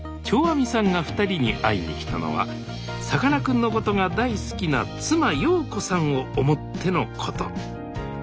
長阿彌さんが２人に会いに来たのはさかなクンのことが大好きな妻陽子さんを思ってのこと。